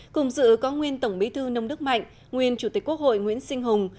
cùng dự có nguyên tổng bí thư nông đức mạnh nguyên chủ tịch quốc hội nguyễn sinh hùng